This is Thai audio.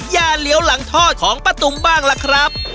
อย่าเหลียวหลังทอดของป้าตุ๋มบ้างล่ะครับ